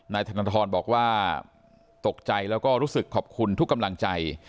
ธนทรบอกว่าตกใจแล้วก็รู้สึกขอบคุณทุกกำลังใจ